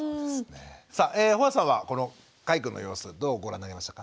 帆足さんはこのかいくんの様子どうご覧になりましたか？